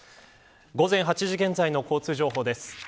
午前８時現在の交通情報です。